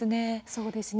そうですね。